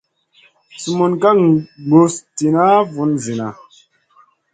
Sumun ka guss tìna vun zina.